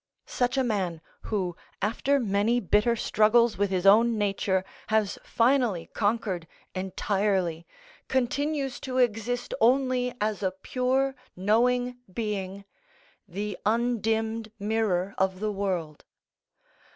Such a man, who, after many bitter struggles with his own nature, has finally conquered entirely, continues to exist only as a pure, knowing being, the undimmed mirror of the world.